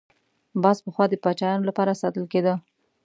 باز پخوا د پاچایانو لپاره ساتل کېده